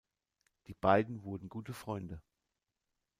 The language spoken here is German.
Die beiden wurden gute Freunde.